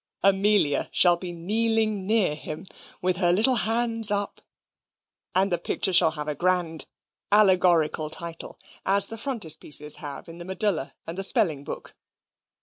Amelia shall be kneeling near him, with her little hands up; and the picture shall have a grand allegorical title, as the frontispieces have in the Medulla and the spelling book."